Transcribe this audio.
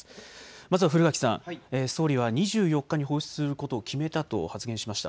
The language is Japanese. まずは古垣さん、総理は２４日に放出することを決めたと発言しました。